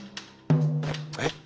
え？